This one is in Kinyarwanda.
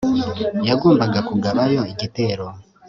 yagombaga kugabayo igitero